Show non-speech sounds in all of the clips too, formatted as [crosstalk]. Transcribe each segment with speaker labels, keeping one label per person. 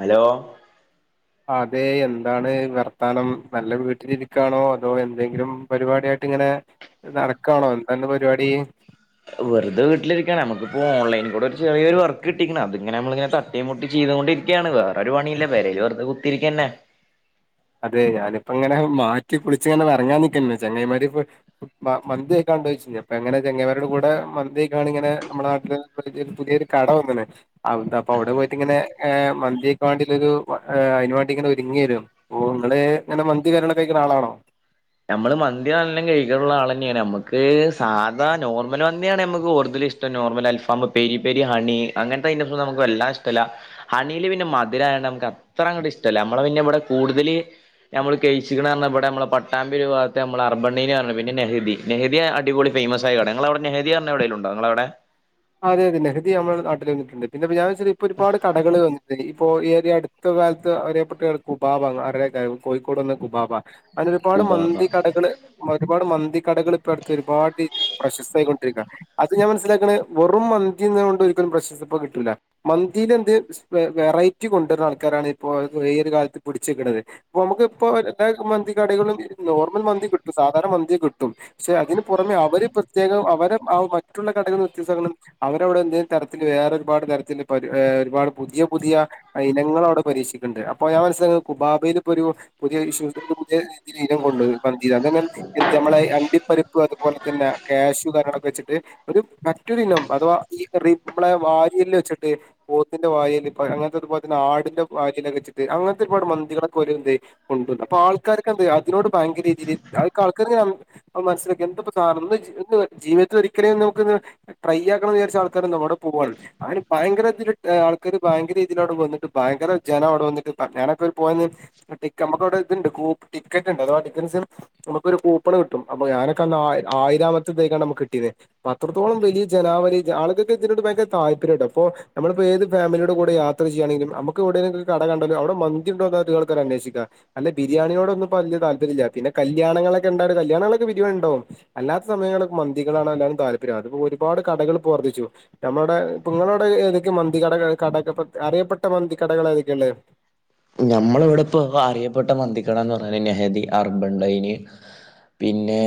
Speaker 1: Hello
Speaker 2: അതെ എന്താണ് വർത്താനം നല്ല വീട്ടിലിരിക്കാണോ അതോ എന്തെങ്കിലും പരിപാടായിട്ട് ഇങ്ങനെ നടക്കാനോ ന്താഅന്റെ പരിപാടി
Speaker 1: വെറുത വീട്ടിരിക്കാണ് നമുക്കിപ്പോ ഓൺലൈൻ കൂടെ ചെറിയ വർക്ക് കിട്ടിക്കാന് അത്ങ്ങന നമ്മളിങ്ങനെ തട്ടി മുട്ടി ചെയ്തുകൊണ്ടരിക്കയാണ് വേറെരു പണിയില്ല പേരെല് വെറുതെ കുത്തിരിക്കുകന്നെ
Speaker 2: അതെ ഞാനിപ്പ ഇങ്ങനെ മാറ്റി കുളിച്ച് ഇങ്ങനെ ഇറങ്ങാൻ നിൽക്കന്ന് ചങ്ങൈമാരി ഇപ്പ മന്തിക്കാണ്ട ചോദിച്ച അപ്പ എങ്ങനെ ചെങ്ങായിമാരുടെ കൂടെ മന്തിയക്കാണ് ഇങ്ങനെ നമ്മുടെ നാട്ടില് പുതിയൊരു കട വന്നണ് അ അപ്പൊ അവടെ പോയിട്ട്ങ്ങനെ എ മന്തിക്ക് വാണ്ടിന്റൊരു അയ്ന് വാണ്ടിങ്ങനെ ഒരുങ്യേനു ഓ ഇങ്ങള് ങ്ങനെ മന്തി നല്ലോണം കയിക്ക്ണ ആളാണോ
Speaker 1: ഞമ്മള് മന്തി നല്ലം കെയ്ക്ക്ള്ളാളെന്നേണ് ഞമ്മക്ക് സാധാ നോർമൽ മന്തിയാണ് ഞമ്മക്ക് കൂടുതലിഷ് ടം നോർമൽ അൽഫാം പെരി പെരി ഹണി അങ്ങൻത്തെ ഐറ്റംസൊന്നും നമ്മക്ക് വെല്ലാതെ ഇഷ്ടല്ല ഹണില് പിന്നെ മധുരായോണ്ട് നമ്മക്ക് അത്ര അങ്ങട്ട് ഇഷ്ടല്ല നമ്മളെ പിന്നെ ഇവടെ കൂടുതല് ഞമ്മള് കെയ്ച്ച്ക്കണ്‌ പർഞ്ഞാ ഇവടെ ഞമ്മളെ പട്ട് പട്ടാമ്പൊരു ഭാഗത്ത് നമ്മളെ [unintelligible] പിന്നെ നെഹ്ദി നെഹ്ദി അടിപൊളി ഫെയ്മസായ കടേ ഇങ്ങളവടെ നെഹ്ദി പർഞത് എവടേങ്കിലു പ്പങ്ങളവടെ
Speaker 2: അതെ അതെ നെഹ്ദി നമ്മളെ നാട്ടില് വെന്ന്ട്ട്ണ്ട് പിന്നെപ്പ ഞാൻ ച്ചത് ഇപ്പൊ ഒരുപാട് കടകൾ വെന്ന്ട്ട്ണ്ട് ഇപ്പോ ഏരിയട് ത്ത കാലത്ത് അറിയപ്പെണ് കുബാബ അറിയേക്കാരം കോഴിക്കോട്ള്ള കുബാബ അങ്ങനൊരുപാട് മന്തി
Speaker 1: കുബാബ
Speaker 2: കടകള് ഒരുപാട് മന്തി കടകള് ഇപ്പടുത്തൊരുപാട് രീതില് പ്രശസ്തയായിക്കൊണ്ടിരിക്കാണ് അത് ഞാൻ മനസ്സിലാക്കണ് വെറും മന്തിന്ന്ണോണ്ട് ഒരിക്കലും പ്രശസ്തി ഇപ്പൊ കിട്ടൂല്ല മന്തിനെന്ത് വെറൈറ്റി കൊണ്ടുവര്ണ ആൾക്കാരാണ് ഇപ്പൊ ഈ ഒരു കാലത്ത് പിടിച്ച്ക്ക്ണത് ഇപ്പ ഞമ്മക്ക് പ്പൊ എല്ലാ മന്തി കടകളിലും നോർമൽ മന്തി കിട്ടും സാധാരണ മന്തി കിട്ടും പക്ഷെ അതിന് പുറമെ അവര് പ്രത്യേകം അവര് ആ മറ്റുള്ള കടയിൽ ത്യാസങ്ങളും അവരവടെ എന്തേലും തരത്തില് വേറെ ഒരുപാട് തരത്തില് ഒരുപാട് പുതിയ പുതിയ ഇനങ്ങളവടെ പരീക്ഷിക്ക്ണ്ട് അപ്പൊ ഞാൻ മനസ്സിലാക്ക്ന്നത് കുബാബയിൽ പ്പൊരു പുതിയ ഇഷു പുതിയ രിനം [unintelligible] [unintelligible] ഞമ്മളെ അണ്ടിപ്പരിപ്പ് അതുപോലെ തെന്നെ കാശു കാര്യങ്ങളൊക്കെ വെച്ച്ട്ട് ഒരു മ റ്റൊരു ഇനം അഥവാ ഇ റി ബ്ലെ വാരിയെല്ല് വെച്ച്ട്ട് പോത്തിന്റെ വായേല് പ്പെ അങ്ങൻത്തെത് പോലെതെന്നെ ആടിന്റെ വാരിയെല്ലൊക്കെ വെച്ച്ട്ട് അങ്ങൻത്തെ ഒരുപാട് മന്തികളൊക്കോല് ന്ത്‌ കൊണ്ടുര്ണത് അപ്പാൾക്കാര്ക്കെന്ത്‌ അതിനോട് ഭയങ്ക രിതില് [unintelligible] മനസ്സിലാക്കി എന്തപ്പൊ [unintelligible] ജീവിതത്തിലൊരിക്കല് ന്ന് നമുക്ക്ന്ന് ട്രൈയാക്കണംന്ന് വിചാരിച്ച ആൾക്കാര് ന്ന് വടെ പോവാണ് അയിന് ഭയങ്കര തില് ആൾക്കാര് ഭയങ്കര രിതില് അവടെ വെന്ന്ട്ട് ഭയങ്കര ജനം അവടെ വെന്ന്ട്ട് ഞാനൊക്കെവടെ പോയന്ന് ടിക്ക നമ്മക്കവടെ ഇത്ണ്ട് കൂ ടിക്കറ്റ്ണ്ട് അതവാ ഡിപ്പൻസ് നമ്മക്കൊരു കൂപ്പണ് കിട്ടും അപ്പൊ ഞാനൊക്കന്ന് ആയി ആയിരാമത്തതേയ്ക്കാണ് നമ്മക്ക് കിട്ടിന്നത് അപ്പത്രത്തോളം വെയ് ഈ ജനാവലി ആൾക്കൊക്കെ ഇതിനോട് ഭയങ്കര താല്പര്യാട്ടൊ പ്പൊ നമ്മളിപ്പൊ ഏത് ഫാമിലിയുടെ കൂടിം യാത്ര ചെയ്യാണെങ്കിലും നമ്മ ക്ക് വെടേങ്കിലൊക്കെ കട കണ്ടാല് അവടെ മന്തിണ്ടോന്നാ അധിക ആൾക്കാരും അന്വേഷിക്കാ അല്ല ബിരിയാണിനോടൊന്നും വെല്യ താല്പര്യല്ല പിന്നെ കല്യാണങ്ങളൊക്കെണ്ടാട് കല്യാങ്ങളൊക്കെ ബിരിയാണിണ്ടാവും അല്ലാത്ത സമയങ്ങളൊക്കെ മന്തികളാണ് എല്ലാര്ക്കും താല്പര്യം അത് പ്പൊ ഒരുപാട് കടകള് പ്പൊ വർധിച്ചു നമ്മളവടെ പ്പങ്ങളോടെ ഏതൊക്കെ മന്തി കടകൾ കട അറിയപ്പെട്ട മന്തി കടകള് ഏതൊക്കെ ള്ളത്
Speaker 1: ഞമ്മളിവടെപ്പോ അറിയപ്പെട്ട മന്തിക്കടാന്ന് പർഞാല് നെഹ്ദി, അർബണ്ടയ്ന് പിന്നെ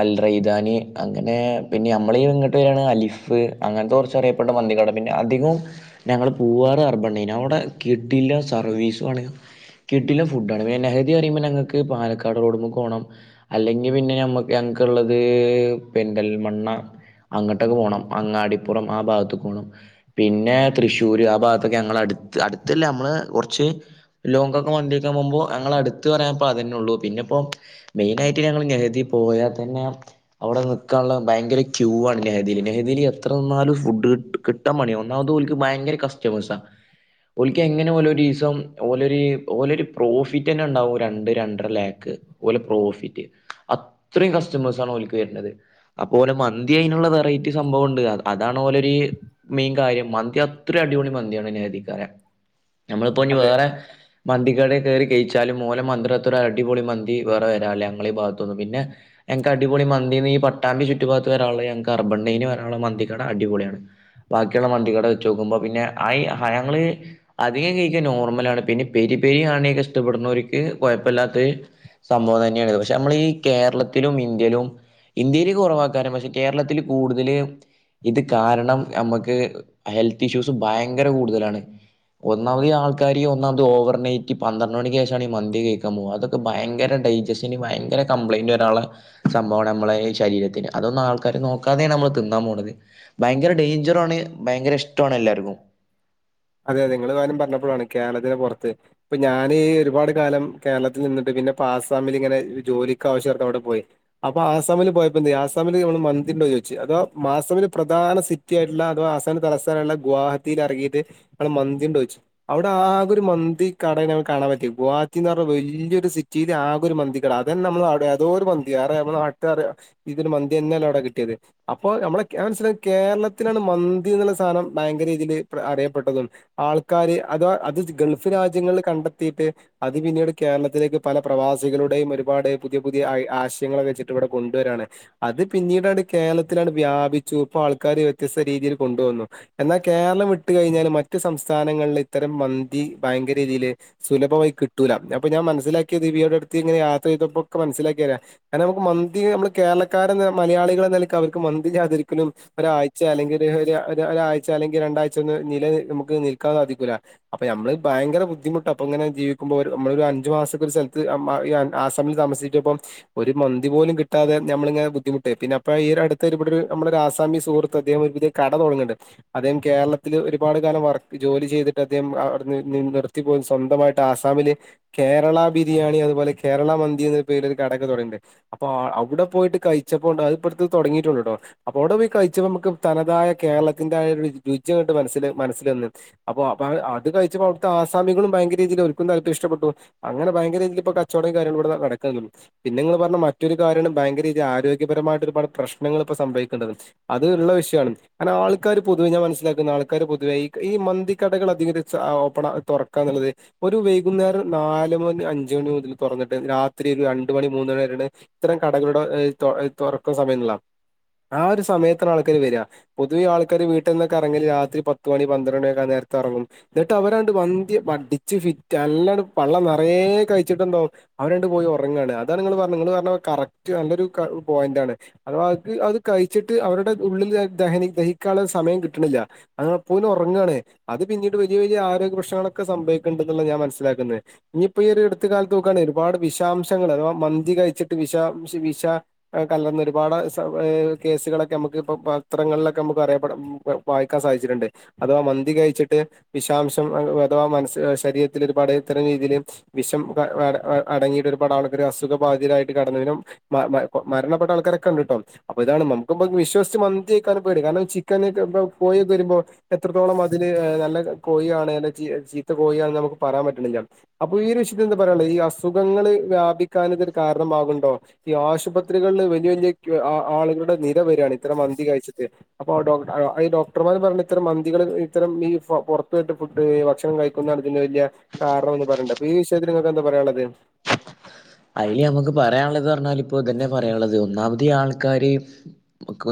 Speaker 1: അൽ റെയ്ദാനി അങ്ങനെ പിന്നെ നമ്മളെ ഇങ്ങട്ട് വെരാണ് അലിഫ് അങ്ങൻത്തെ കൊർച്ച് അറിയപ്പെട്ട മന്തി കടണ്ട് പിന്നെ അധികവും ഞങ്ങള് പൂവാറ്, അർബണ്ടീന അവടെ കിടിലം സ സർവീസു ആണ് കിഡിലം ഫുഡാണ് പിന്നെ നെഹ്ദി പറയുമ്പോ ഞങ്ങക്ക് പാലക്കാട് റോഡ്മ്മക്ക് പോണം അല്ലെങ്കി പിന്നെ ഞമ്മക്ക് ഞങ്‌ക്ക്ള്ളത് പെരിന്തൽമണ്ണ അങ്ങോട്ടൊക്കെ പോണം അങ്ങാടിപ്പുറം ആ ഭാഗത്ത്ക്ക് പോണം പിന്നെ തൃശ്ശൂര് ആ ഭാഗത്തൊക്കെ ഞങ്ങളെ അട്ത്ത് അട്ത്തല്ല ഞമ്മളെ കൊർ ച്ച് ലോങ്ങൊക്കെ മന്തി കയ്ക്കാൻ പോമ്പോ ഞങ്ളെ അട്ത്ത് പറയാൻ പ്പതെന്നെ ഉള്ളൂ പിന്നെപ്പൊ മെയിനായിട്ട് ഞങ്ങള് നെഹ്ദി പോയാതെന്നെ അവടെ നിക്കാള്ളെ ഭയങ്കര ക്യൂ ആണ് നെഹ്ദീല് നെഹ്ദീല് എത്ര നിന്നാലും ഫുഡ് കിട്ട് കിട്ട് ട്ടാ പണിയാ ഒന്നാമത് ഓൽക്ക് ഭയങ്കര കസ്റ്റമേസാ ഓൽക്കെങ്ങനെ ഓലൊരീസ് സം ഓലൊര് ഓലൊര് പ്രോഫിറ്റെന്നെ ണ്ടാവും രണ്ട് രണ്ടര ലാക്ക് ഓലെ പ്രോഫിറ്റ് അത്രയും കസ്റ്റമേസാണ് ഓൽക്ക് വരണത് അപ്പോ ഓലെ മന്തി അയ്നുള്ള വെറൈറ്റി സംഭവം ഉണ്ട് അതാണ് ഓലൊരു മെയിൻ കാര്യം മന്തി അത്ര അടിപൊളി മന്തിയാണ് നഹദിക്കാരെ ഞമ്മളിപ്പോ
Speaker 2: അതെ
Speaker 1: ഇഞ് വേറെ മന്തി കടേൽ കേറി കഴിച്ചാലും ഒലെ മന്തിടത്രേ അടിപൊളി മന്തി വേറെ വരാല്ല ഞങ്ങളെ ഈ ഭാഗത്തൊന്നും പിന്നെ ഞങ്ങക്ക് അടിപൊളി മന്തിന്ന് ഈ പട്ടമ്പി ചുറ്റുഭാഗത്ത് വരാള്ള ഞങ്ങക്ക് അർബണ്ടൈയിന് വരാള്ള മന്തിക്കട അടിപൊളിയാണ് ബാക്കിയുള്ള മന്തിക്കട വെച്ച് നോക്കുമ്പോ പിന്നെ ആയ് ഞങ്ങള് അധികം കഴി നോർമലാണ് പിന്നെ പെരി പെരിയാണെ കഷ്ടപ്പെടുന്നവർക്ക് കൊഴപ്പല്ലാത്ത സംഭവം തന്നെയാണ്ത് പക്ഷെ നമ്മൾ ഈ കേരളത്തിലും ഇന്ത്യയിലും ഇന്ത്യയില് കൊറവാക്കാനും പക്ഷെ കേരളത്തില് കൂടുതല് ഇത് കാരണം ഞമ്മക്ക് ഹെൽത്ത് ഇഷ്യൂസ് ഭയങ്കര കൂടുതലാണ് ഒന്നാമത് ഞാൻ ആൾക്കാര് ഒന്നാമത് ഓവർനൈറ്റ് പന്ത്രണ്ട് മണിക്ക് ശേഷാണ് ഈ മന്തി കഴിക്കാൻ പോകാ അതൊക്കെ ഭയങ്കര ഡൈജസ്ന് ഭയങ്കര കംപ്ലൈന്റ് വരാനുള്ള സംഭവാണ് നമ്മളെ ഈ ശരീരത്തിന് അതൊന്നും ആൾക്കാര് നോക്കാതെയാണ് നമ്മള് തിന്നാൻ പോണത് ഭയങ്കര ഡേഞ്ചറും ആണ് ഭയങ്കര ഇഷ്ട്ടോണ് എല്ലാർക്കും
Speaker 2: അതെതെ നിങ്ങള് കാര്യം പറഞ്ഞപ്പളാണ് കേരളത്തിന് പുറത്ത് ഇപ്പൊ ഞാൻ ഈ ഒരുപാട് കാലം കേരളത്തിൽ നിന്നിട്ട് പിന്നെ ഇപ്പം ആസാമിൽ ഇങ്ങനെ ജോലിക്ക് ആവശ്യാത്ഥം അവിടെ പോയി അപ്പൊ ആസാമില് പോയപ്പോന്തെ ആസാമില് നമ്മള് മന്തിണ്ടോ ചോദിച്ചു അതോ മാസാമില് പ്രധാന സി റ്റിയായിട്ടുള്ള അഥവാ ആസാമിന്റെ തലസ്ഥാനമായ ഗുവാഹത്തിയിൽ ഇറങ്ങിയിട്ട് നമ്മള് മന്തിയുണ്ടോന്ന് ചോയ്ച്ച് അവിടെ ആകെ ഒരു മന്തി കടയെ ഞങ്ങക്ക് കാണാൻ പറ്റിയെ ഗുഹാവത്തിന്ന് പറഞ്ഞാ വല്യൊരു സി റ്റീല് ആകെ ഒരു മന്തി കട അതെന്നെ നമ്മവിടെ ഏതോ ഒരു മന്തി അറിയാ നമ്മുടെ നാട്ടാര് ഇത് തന്നെ മന്തി തന്നല്ലേ അവിടെ കിട്ടിയത് അപ്പൊ നമ്മളെ അത് മനസ്സിലായി കേരളത്തിലാണ് മന്തി എന്നുള്ള സാനം ഭയങ്കര രീതിയില് അറിയപ്പെട്ടതും ആൾക്കാര് അത് അത് ഗൾഫ് രാജ്യങ്ങളിൽ കണ്ടെത്തിയിട്ട് അത് പിന്നീട് കേരളത്തിലേക്ക് പല പ്രവാസികളുടെയും ഒരുപാട് പുതിയ പുതിയ ആശയങ്ങള വെച്ചിട്ട് ഇവിടെ കൊണ്ടുവരാണ് അത് പിന്നീടാണ് കേരളത്തിലാണ് വ്യാപിച്ചു ഇപ്പൊ ആൾക്കാര് വ്യത്യസ്ത രീതിയിൽ കൊണ്ട് വന്നു എന്നാ കേരളം വിട്ട് കഴിഞ്ഞാല് മറ്റു സംസ്ഥാനങ്ങളില് ഇത്തരം മന്തി ഭയങ്കര രീതിയില് സുലഭമായി കിട്ടൂലാ അപ്പൊ ഞാൻ മനസിലാക്കിയത് ഇവിടെ അടുത്ത് ഞാൻ യാത്ര ചെയ്തപ്പോക്കെ മനസ്സിലാക്കിയതാ കാരണം നമുക്ക് മന്തി നമ്മള് കേരളക്കാര് മലയാളികളെ നിലക്ക് അവർക്ക് മന്തി ഇല്ലാതെ ഒരിക്കലും ഒരാഴ്ച അല്ലെങ്കിൽ ഒര് ഒരാഴ്ച അല്ലെങ്കിൽ രണ്ടാഴ്ച ഒന്നും നില നമുക്ക് നിൽക്കാൻ സാധിക്കൂല്ല അപ്പൊ നമ്മള് ഭയങ്കര ബുദ്ധിമുട്ടാ അപ്പൊ ഇങ്ങനെ ജീവിക്കുമ്പോൾ നമ്മള് ഒരു അഞ്ച് മാസൊക്ക ഒരു സ്ഥലത്ത് നമ്മ ഈ ആസമിൽ താമസിച്ചപ്പം ഒരു മന്തി പോലും കിട്ടാതെ നമ്മളിങ്ങനെ ബുദ്ധിമുട്ടൊയ് പിന്നെ അപ്പം ഈ അടുത്ത് ഇവിടെ ഒരു ആസാമി സുഹൃത്ത് അദ്ദേഹം ഒരു കട തുടങ്ങുന്നുണ്ട് അദ്ദേഹം കേരളത്തില് ഒരുപാട് കാലം വർക് ജോലി ചെയ്തിട്ട് അദ്ദേഹം അവിടെ നിർത്തിപ്പോയിൻ സ്വന്തമായിട്ട് ആസാമില് കേരള ബിരിയാണി അതുപോലെ കേരള മന്തി എന്ന പേരില് ഒരു കടെക്കെ തൊടങ്ങീണ്ട് അപ്പൊ ആഹ് അവിടെ പോയിട്ട് കഴിച്ചപ്പോണ്ട് അതിപ്പടുത്ത് തൊടങ്ങിട്ടേ ഒള്ള്ട്ടോ അപ്പോ അവിടെ പോയി കഴിച്ചപ്പോ നമുക്ക് തനതായ കേരളത്തിന്റെ ആ രുചി അണ്ട് മനസ്സില് മനസ്സിൽ വന്ന് അപ്പൊ അ അപ്പോ അത് കഴിച്ചപ്പോ അവിടത്തെ ആസാമികളും ഭയങ്കര രീതിൽ ഓൽക്കും [unintelligible] ഇഷ്ടപ്പെട്ടു അങ്ങനെ ഭയങ്കര രീതീല് ഇപ്പ കച്ചവടം കാരൃങ്ങളും ഇവിടെ നടക്കാന്നൊള്ളൂ പിന്നെ നിങ്ങൾ പറഞ്ഞ മറ്റൊരു കാര്യാണ് ഭയങ്കര രീതി ആരോഗ്യപരമായിട്ട് ഒരുപാട് പ്രശ്നങ്ങൾ ഇപ്പ സംഭവിക്കണത് അത് ഉള്ള വിഷയാണ് കാരണം ആൾക്കാര് പൊതുവെ ഞാൻ മനസ്സിലാക്കുന്ന ആൾക്കാര് പൊതുവായി ഈ മന്തി കടകള് അധികം ഓപ്പണാ തൊറക്കാ എന്നുള്ളത് ഒരു വൈകുന്നേരം നാല് മണി അഞ്ച് മണി മുതൽ തുറന്നിട്ട് രാത്രി ഒരു രണ്ട് മണി മൂന്ന് മണി വരാണ് ഇത്തരം കടകളുടെ ഏഹ് തൊ തൊറക്കാ സമയാ എന്നുള്ളതാ ആ ഒരു സമയത്തിനാ ആൾക്കാര് വരാ പൊതുവേ ആൾക്കാർ വീട്ടിൽന്നൊക്കെ എറങ്ങല് രാത്രി പത്തുമണി പന്ത്രേണ്ട കാ നേരത്തെ എറങ്ങും എന്നിട്ട് അവരണ്ട് വന്തി വടിച്ച് ഫിറ്റ് അല്ലാണ്ട് പള്ളം നിറയെ കഴിച്ചിട്ടുണ്ട അവരണ്ട് പോയി ഉറങ്ങാണ് അതാണ് നിങ്ങള് പറഞ്ഞ നിങ്ങള് പറഞ്ഞത്കറക്റ്റ് നല്ലൊരു പോയിന്റ് ആണ് അപ്പൊ അത് അത് കഴിച്ചിട്ട് അവരുടെ ഉള്ളിൽ ദഹി ദഹിക്കാനുള്ള സമയം കിട്ടണില്ല പോയിന് ഉറങ്ങാണ് അത് പിന്നീട് വലിയ വലിയ ആരോഗ്യ പ്രശ്നങ്ങളൊക്കെ സം ഭവിക്കണ്ട എന്നുള്ള ഞാൻ മനസ്സിലാക്കുന്നത് ഇനിയിപ്പോ ഈ ഒരു എടുത്ത കാലത്ത് നോക്കുകയാണെിൽ ഒരുപാട് വിഷാംശങ്ങൾ അഥവാ മന്തി കഴിച്ചിട്ട് വിഷാം വിഷ കല്ലർന്ന ഒരുപാട് കേസുകളൊക്കെ നമുക്ക് ഇപ്പ പത്രങ്ങളിലൊക്കെ നമുക്ക് അറിയപ്പെട വായിക്കാൻ സാധിച്ചിട്ടുണ്ട് അഥവാ മന്തി കഴിച്ചിട്ട് വിഷാംശം അഥവാ മനസ് ശരീരത്തിൽ ഒരുപാട് ഇത്തരം രീതി ല് വിഷം അ അ അടങ്ങിയിട്ട് ഒരുപാട് ആള്ക്കള് അസുഖ ബാധിരായിട്ട് കടന്നേരം. മ മ മരണപ്പെട്ട ആൾക്കാരൊക്കെ ഉണ്ട്ട്ടോ. അപ്പൊ ഇതാണ് നമുക്കിപ്പ വിശ്വസിച്ച് മന്തിഴിക്കാനും പേടി കാരണം ചിക്കനൊക്കെ പോയൊക്കെ വരുമ്പോ. എത്രത്തോളം അതില് നല്ല കോഴിയാണേനും ചീ ചീത്ത കോഴിയാ നമുക്ക് പറയാൻ പറ്റ്ണ്ല്ല. അപ്പൊ ഈ ഒരു വിഷയത്തി എന്താ പറയാനുള്ളേ ഈ അസുഖങ്ങള് വ്യാപിക്കാൻ ഇതൊരു കാരണമാവുണ്ടോ. ഈ ആശുപത്രികളില് വലിയ വലിയ ആളുകളുടെ നിര വരാണ് ഇത്രം മന്തി കഴിച്ചിട്ട്. അപ്പോ ഡോ ഈ ഡോക്ടർ മാര് പറയണ് ഇത്തരം മന്തികള് ഇത്തരം ബീഫ് പുറത്ത പോയിട്ട് ഫുഡ് ഭക്ഷണം കഴിക്കുന്ന അറിഞ്ഞ് കഴിഞ്ഞാൽ കാരണന്ന് പറയേണ്ട് അപ്പൊ ഈ വിഷയത്തില് നിങ്ങൾക്ക് എന്താ പറയാനുള്ളത്.
Speaker 1: അതില് നമുക്ക് പറയാനുള്ളത് പറഞ്ഞാൽ ഇപ്പൊതന്നെ പറയാനുള്ളത് ഒന്നാമത് ഈ ആൾക്കാര്.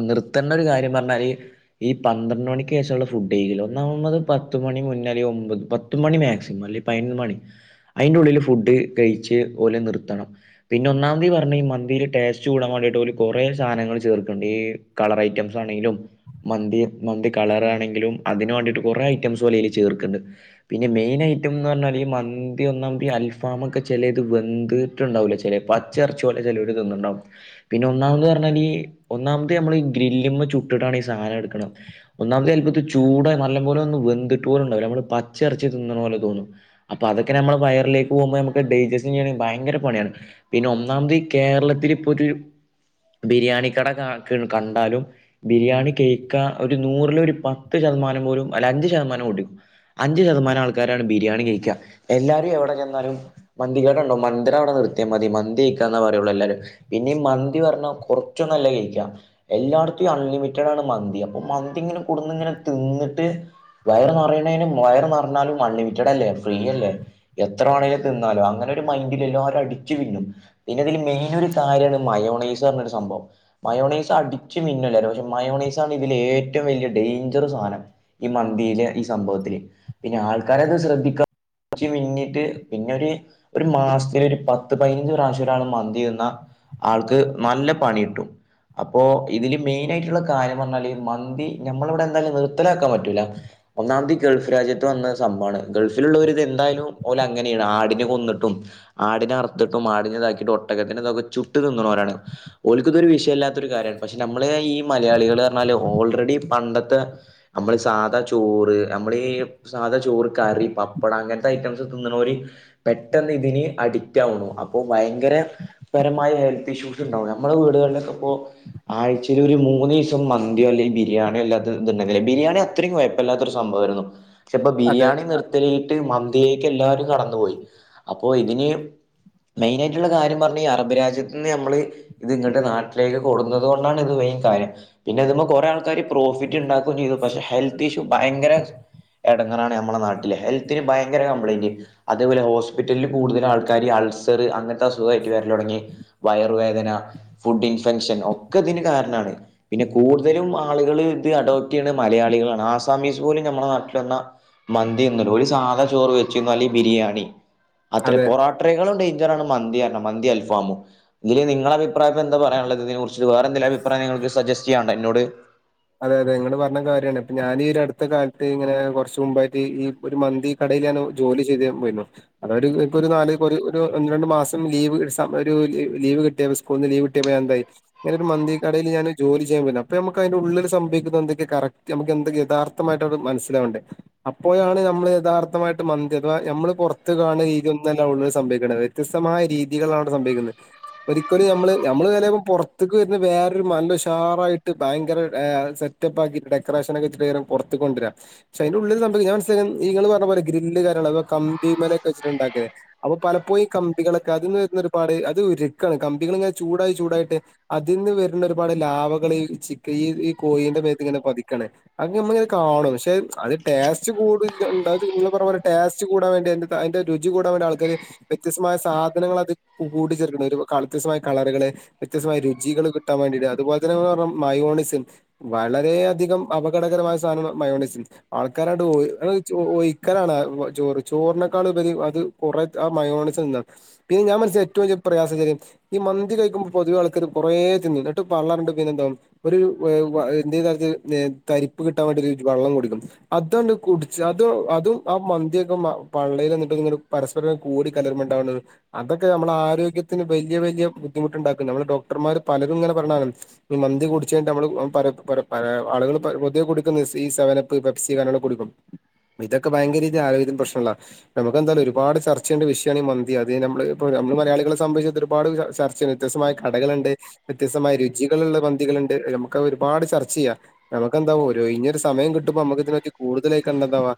Speaker 1: നിർത്തണ്ട ഒരു കാര്യം പറഞ്ഞാല്. ഈ പന്ത്രണ്ട് മണിക്ക് ശേഷള്ള ഫുഡെ ഒന്നാമത് പത്ത് മണി മുന്നേ അല്ലങ്കി ഒമ്പത്. പത്തുമണി മാക്സിമം അല്ലെ പതിനൊന്ന് മണി അതിന്റെ ഉള്ളിൽ ഫുഡ് കഴിച്ച് ഓല് നിർത്തണം. പിന്നെ ഒന്നാമതീ പറഞ്ഞ ഈ മന്തില് ടേസ്റ്റ് കൂടാൻ വേണ്ടിയിട്ട് ഓല് കൊറെ സാനങ്ങൾ ചേർക്കണ്ട് ഈ കളർ ഐറ്റംസ് ആണെങ്കിലും. മന്തി മന്തി കളറ ആണെങ്കിലും അതിന് വേണ്ടിയിട്ട് കുറെ ഐറ്റംസ് അയില് ചേർക്കണ്ട്. പിന്നെ മെയിൻ ഐറ്റം എന്ന് പറഞ്ഞാല് മന്തി ഒന്നാമത് അൽഫാമൊക്കെ ചിലത് വെന്ത്. ട്ട്ണ്ടാവില്ല ചെലപ്പോ പച്ച റിച്ച് പോലെ ചെ ലോല് തിന്ന്ന്നുണ്ടാവും. പിന്നെ ഒന്നാമന്ന് പറഞ്ഞാല് ഈ ഒന്നാമത് നമ്മൾ ഈ ഗ്രില്ലിമ്മ ചുട്ടിട്ടാണ് ഈ സാധനം എടുക്കുന്നത്. ഒന്നാമത് ചെൽപ്പോ ഇത് ചൂട് നല്ലം പോലെ ഒന്നും വെന്തിട്ട് പോലെണ്ടാവില്ല നമ്മള് പച്ചറച്ചി തിന്നണ പോലെ തോന്നും. അപ്പൊ അതൊക്ക നമ്മളെ വയറിലേക്ക് പോകുമ്പോ നമുക്ക് ഡൈജസ് ചെയ്യണെങ്കി ഭയങ്കര. പണിയാണ് പിന്നെ ഒന്നാമത് കേരളത്തിൽ ഇപ്പോ ഒര് ബിരിയാണി കട കാ കണ്ടാലും. ബിരിയാണി കേക്ക ഒരു നൂറിലധ ഒരു പത്ത് ശതമാനം പോലും അല്ല അഞ്ചു ശതമാനം കൂട്ടിക്കോ അഞ്ച് ശതമാനം ആൾക്കാരാണ് ബിരിയാണി കഴിക്കുക. എല്ലാവരും എവിടെ ചെന്നാലും മന്തികട ഉണ്ടോ മന്ത അവിടെ നിർത്തയാമതി മന്തി കഴിക്കാന്ന പറയുള്ളൂ എല്ലാരും പിന്നെ മന്തി പറഞ്ഞാൽ കുറച്ചുന്നല്ല കഴിക്കാ. എല്ലാടത്തും അൺലിമിറ്റഡ് ആണ് മന്തി അപ്പൊ മന്തി ഇങ്ങനെ കൊടന്ന് ഇങ്ങനെ തിന്നിട്ട്. വയർ നിറയണേനും വയർ നിറഞ്ഞാലും അൺലിമിറ്റഡ് അല്ലേ ഫ്രീ അല്ലേ. എത്ര വേണേങ്കിലും തിന്നാലോ അങ്ങനെ ഒരു മൈ ല്ലാരും അടിച്ചു തിന്നും പിന്നെ അതില് മെയിന് ഒരു കാര്യണ് മയോണൈസ് പറഞ്ഞരു സംഭവം. മയോണയ്സ് അടിച്ച് മിന്നുല്ലാരും പക്ഷെ മയോണെയ്സാണ് ഇതില് ഏറ്റവും വലിയ ഡേയ്ഞ്ചർ സാധനം. ഈ മന്തില് ഈ സംഭവത്തില് പിന്നെ ആൾക്കാരെ അത് ശ്രദ്ധിക്കാ കുറച്ച് മിന്നിട്ട് പിന്നെ ഒരു ഒരു മാസ മാസത്തിലൊരു പത്ത് പതിനഞ്ച് പ്രാവശ്യം ഒരാള് മന്തി തിന്ന ആൾക്ക് നല്ല പണി കിട്ടും. അപ്പോ ഇതില് മെയിന ആയിട്ടുള്ള കാര്യം പറഞ്ഞാല് മന്തി നമ്മള് ഇവിടെ എന്തായാലും നിർത്തലാക്കാൻ പറ്റൂല. ഒന്നാമത് ഗൾഫ് രാജ്യത്ത് വന്ന സംഭവമാണ് ഗൾഫിലുള്ളവരി ഇത് എന്തായാലും ഓല് അങ്ങനെയാണ് ആടിനെ കൊന്നിട്ടും. ആടിനെ അർത്ത്ട്ടും ആടിനെ ഇതാക്കിട്ടും ഒട്ടക്കത്തിന്റെ ഇതൊക്കെ ചുട്ട് തിന്ന്ണോരാണ് ഓൽക്ക് ഇതാെരു വിഷയെല്ലാത്തൊരു കാര്യാണ് പക്ഷെ നമ്മള് ഈ മലയാളികള് പർണാല് ഓൾറെഡി ഇപണ്ടത്തെ അമ്മള് സാദാ ചോറ് അമ്മളീ സാദാചോറ് കറി പപ്പടം അങ്ങൻത്തെ ഐറ്റംസ് തിന്ന്ണോര് പെട്ടെന്ന് ഇതിന് അഡിക്റ്റ് ആവുണു അപ്പൊ ഭയങ്കര പരമായ ഹെൽത്ത് ഇഷ്യൂസ് ഇണ്ടാവും നമ്മളെ വീട്കളിലൊക്കെ ഇപ്പൊ ആഴ്ചയില് ഒരു മൂന്നീസം മന്തിയോ അല്ലെങ്കി ബിരിയാണിയോ അല്ലാത്ത ഇതാേ ഇണ്ടെങ്കില് ബിരിയാണിയൊ ഇത്രിം കൊയപ്പല്ലാത്ത ഒരു സംഭവേര്ന്നു പക്ഷെ ഇപ്പൊ
Speaker 2: അതെ
Speaker 1: ബിരിയാണി നിർത്തീട്ട് മന്തിയിലേക്ക് എല്ലാരും കടന്നു പോയി അപ്പൊ ഇതിന് [inaudible] മെയ്നായിട്ട്ള്ള കാര്യം പർണ ഈ അറബ് രാജ്യത്ത്ന്ന് ഞമ്മള് ഇത് ഇങ്ങട്ട് നാട്ടിലേക്ക് കൊട്ന്നത് കൊണ്ടാണ് ഇത് വെയിൻ കാര്യം പിന്നെ ഇത്‌മ്മെ കൊറെ ആൾക്കാര് പ്രോഫിറ്റ് ഇണ്ടാക്കും ചെയ്തു പക്ഷെ ഹെൽത്ത് ഇഷ്യൂ ഭയങ്കര എടങ്ങറാണ് ഞമ്മളെ നാട്ടില് ഹെൽത്തിന് ഭയങ്കര കംപ്ലൈന്റ് അതെപോലെ ഹോസ്പിറ്റൽല് കൂട്തല് ആൾ ക്കാര് അൾസറ് അങ്ങൻത്തെ അസുഗായിറ്റ് വെര്ലാെടങ്ങി വയറ് വേദന ഫുഡ്ഢ് ഇൻഫെക്ഷൻ ഒക്കെ ഇതിന് കാരണാണ് പിന്നെ കൂട്തലും ആള്കള് ഇത് അഡോപ്റ്റ് ചെയ്യ്ണത് മലയാളികളാണ് ആസാമീസ് പോലും ഞമ്മളെ നാട്ടില് വന്നാ മന്തി തിന്നൂല ഒര് സാധനം ചോറ് വെച്ച് തിന്നും അല്ലെങ്കി ബിരിയാണി അത്രെ
Speaker 2: അതെ
Speaker 1: പൊറാട്ട ട്രൈകളും ഡെയ്ഞ്ചറാണ് മന്തിപർണത് മന്തിംഅൽഫാമും ഇതില് നിങ്ങളെ അഭിപ്രായം ഇപ്പൊ എന്താ പറയാന്ള്ളത് ഇതിനെ കുറി ച്ച് വേറെ വേറെന്തേലും അഭിപ്രായം നിങ്ങക്ക് സജസ്റ്റ് ചെയ്യാനുണ്ടോ എന്നോട്
Speaker 2: അതെ അതെ ഇങ്ങള് പർണത് കാര്യാണ് ഇപ്പൊ ഞാനീ ഒര അട്ത്ത കാലത്ത് ഇങ്ങനെ കുറച്ച് മുമ്പായിട്ട് ഈ ഒരു മന്തി കടയില് ഞാനു ജോലി ചെയ്യാൻ പോയിരുന്നു അതൊര് ഇക്കൊര് നാല് ഇപ്പെരു ഒരു ഒന്ന് രണ്ടു മാസം ലീവ് [unintelligible] ഒരു ലീവ് കിട്ടിയ ഉസ്കൂൾന്ന് ലീവ് കട്ടിയപ്പൊ ഞാൻ എന്തായി ഇങ്ങനെ ഒരു മന്തി കടേല് ഞാന് ജോലി ചെയ്യാൻ പോയ്‌ന്നു അപ്പ ഞമ്മക്ക് അതിന്റെ ഉള്ളിലെ സ് സംഭവിക്കുന്നത് എന്തൊക്കെ കറക്റ്റ് നമ്മക്ക് എന്ത യഥാർത്ഥമായിട്ട് അത് മനസ്സിലാവ്ണ്ട് അപ്പോഴാണ് നമ്മള് യഥാർത്ഥമായിട്ട് മന്തി അഥവാ നമ്മള് പൊറത്ത് കാണുന്ന രീതി ഒന്നുല്ല ഉള്ളില് സംഭവിക്ക്ണത് വ്യത്യസ്തമായ രീതികളാണ് അവടെ സംഭവിക്കുന്നത് ഒരിക്കലും ഞമ്മള് ഞമ്മള് ചെലേപ്പം പൊറത്ത്ക്ക് വെര്ന വേറൊരു മണം ഉഷാറായിട്ട് ഭയങ്കര ഒരു ഏഹ് അത് സെറ്റപ്പാക്കീറ്റ് ഡെക്കറേഷനൊക്കെ വെച്ച്ട്ട് എക്കാരം പൊർത്ത്ക്ക് കൊണ്ടരാ പക്ഷെ അയിന്റെ ഉള്ളില് സംഭവിക്ക്ണത് ഞാൻ മനസ്സിലാക്കിയത് ഇങ്ങള് പർണ പോലെ ഗ്രില്ല് കാര്യയങ്ങളൊക്കെ കമ്പീമ്മെലെക്കെ വെച്ച്ട്ടാ ഇണ്ടാക്കല് അപ്പൊ പലപ്പോയും ഈ കമ്പികളൊക്കെ അതിന്ന് വെര്ന്ന ഒരുപാട് അത് ഉരുക്കാണ് കമ്പികള് ഇങ്ങനെ ചൂടായി ചൂടായിട്ട് അതിൽന്ന് വെര്ന്ന ഒരുപാട് ലാവകള് ഈ ചക്ക് ഈ ഈ കോയീന്റെ മേത്ത് ഇങ്ങനെ പതിക്കാണ് അത് നമ്മള് ഇങ്ങനെ കാണും പക്ഷെ അത് ടേസ്റ്റ് കൂടുല്ല്യ ഇണ്ടത് നിങ്ങള് പർണ പോലെ ടേസ്റ്റ് കൂടാൻ വേണ്ടി അതില് അതിന്റെ രുചി കൂടാൻ വേണ്ടി ആൾക്കാര് വ്യത്യസ്തമായ സാധനങ്ങള് അത് കൂടിച്ചേർക്ക്ണ് ഒരു കള് വ്യത്യസ്തമായ കളറ്കള് വ്യത്യസ്മായ രുചികള് കിട്ടാൻ വേണ്ടീറ്റ് അത്പോൽലെ തന്നെ ഇങ്ങള് പർണ മയോണി സ് വളരെ അധികം അപകടകരമായ സാധനാണ് മയോണിസ് ആൾക്കാര് അങ്ങട്ട് ഒയി ഇങ്ങട്ടത് ഒയിക്കലാണ് അത് ചോറ് ചോർനെക്കാളും ഉപരി അത് കുറെ ആ മയോണിസ് എന്താ പിന്നെ ഞാൻ മനസ്സിൽ ഏറ്റവും വല്യ പ്രയാസ വെചാല് ഈ മന്തി കയിക്കുമ്പൊ പൊതുവെ ആൾക്കാര് കുറേ തിന്നും ഇന്നിട്ട് പള്ള നറഞ്ട്ട് പിന്നെ എന്താവും ഒരു വേവ എന്തേലും തരത്തില് നേ തരിപ്പ് കിട്ടാൻ വാണ്ടീറ്റ് ഒര് വള്ളം കുടിക്കും അതണ് കുടിച്ച് അത് അതും ആ മന്തി ഒക്കെ മ പള്ളേല് എന്നിട്ട് ഒര് ഇങ്ങനെ പരസ് പരംകൂടി കലർമ ഇണ്ടാവ്ണത് അതൊക്കെ ഞമ്മളെ ആരോഗ്യത്തിന് വെല്യ വെല്യ ബുദ്ധിമുട്ട് ഇണ്ടാക്ക്ണ്ട് നമ്മള് ഡോക്ടർമാര് പലരും ഇങ്ങനെ പറയ്ണതാണ് ഇനി മന്തിംകൂടി കൊർച്ച് കഴിഞ്ഞിട്ട് നമ്മള് [unintelligible] ആള്കള് ഇപ്പ പൊതുവെ കുടിക്ക്ന്നത് സീ സെവനപ്പ് പെപ്സി കാര്യങ്ങളൊക്കെ കുടിക്കും ഇതൊക്കെ യഭയങ്കര രീതിയില് ആരോഗ്യ പ്രശ്നം ഇള്ളതാ നമുക്ക് എന്തയാലും ഒരുപാട് ചർച്ചയെണ്ട വിഷ്യണ് ഈ മന്തി അത് നമ്മള് ഇപ്പോ നമ്മള് മലയാളികളെ സംബന്ധിച്ച് ഒരുപാട് ചർച്ച വ്യത്യസ്തമായ കടകള്ണ്ട് വ്യത്യസ്തമായ രുചികള് ള്ള മന്തികള്ണ്ട് നമുക്ക് ഒരുപാട് ചർച്ച ചെയ്യാ നമുക്കെന്താവ ഒരുഒയിഞ്ഞൊരു സമയം കിട്ടുമ്പോ അമ്മക്ക് ഇതിനൊക്കെ കൂടുതലായിക്കാണ്ടെന്താവാ